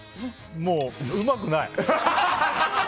もう、うまくない。